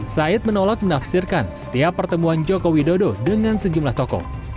said menolak menafsirkan setiap pertemuan jokowi dodo dengan sejumlah tokoh